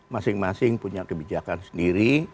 masing masing punya kebijakan sendiri